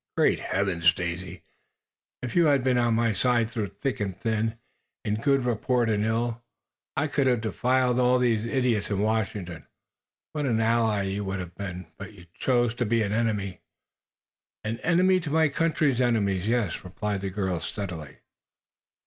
"Great Heavens, Daisy, if you had been on my side through thick and thin, in good report and ill, I could have defied all these idiots in Washington. What an ally you would have been! But you chose to be an enemy." "An enemy to my country's enemies, yes," replied the girl, steadily.